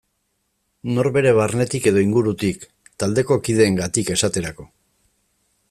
Norbere barnetik edo ingurutik, taldeko kideengatik esaterako.